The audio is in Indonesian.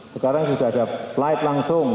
sekarang sudah ada flight langsung